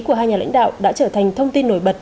của hai nhà lãnh đạo đã trở thành thông tin nổi bật